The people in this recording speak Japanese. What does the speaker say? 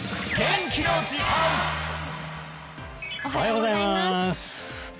おはようございます